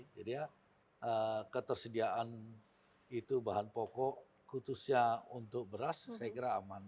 jadi ya ketersediaan itu bahan pokok khutusnya untuk beras saya kira aman ya